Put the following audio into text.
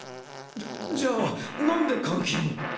じゃじゃあなんで監禁を？